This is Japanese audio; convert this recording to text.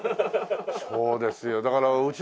そうですよだからうち